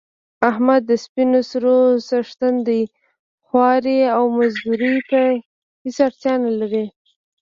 احمد د سپینو سرو څښتن دی خوارۍ او مزدورۍ ته هېڅ اړتیا نه لري.